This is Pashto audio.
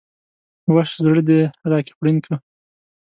وش ﺯړه د راکي خوړين که